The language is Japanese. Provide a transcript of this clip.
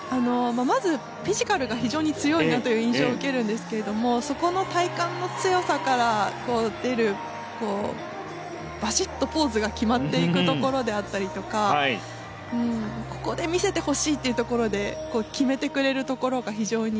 まずフィジカルが非常に強いなという印象を受けるんですけれどもそこの体幹の強さから出るバシッとポーズが決まっていくところであったりとかここで見せてほしいっていうところで決めてくれるところが非常に良かったですね。